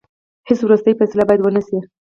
هیڅ وروستۍ فیصله باید ونه سي.